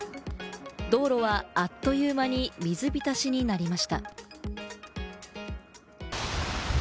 道路はあっという間に水浸しになりました。